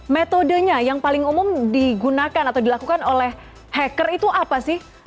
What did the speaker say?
metodenya yang paling umum digunakan atau dilakukan oleh hacker itu apa sih